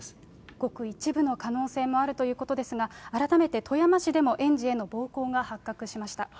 ごく一部の可能性もあるということですが、改めて富山市でも園児への暴行が発覚しました。